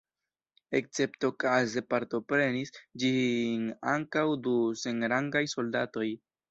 Esceptokaze partoprenis ĝin ankaǔ du senrangaj soldatoj.